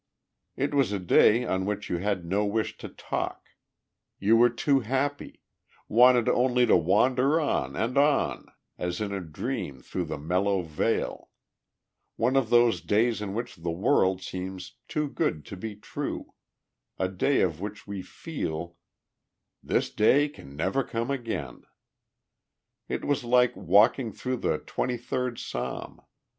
It was a day on which you had no wish to talk, you were too happy, wanted only to wander on and on as in a dream through the mellow vale one of those days in which the world seems too good to be true, a day of which we feel, "This day can never come again." It was like walking through the Twenty third Psalm.